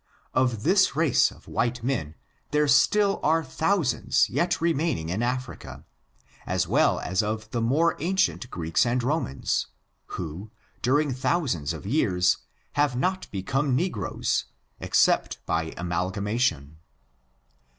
Of this race of white men there still are thousands yet re maining in Africa, as well as of the more ancient Greeks and Romans, who, during thousands of years, have not become negroes, except by amalgamation.